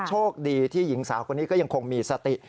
โชคดีที่หญิงสาวคนนี้ก็ยังคงมีสติ